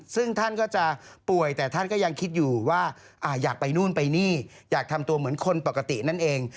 ซึ่งท่านก็จะป่วยแต่ท่านก็ยังคิดอยู่ว่าอยากไปนู่นไปนี่อยากทำตัวเหมือนคนปกตินั่นเอง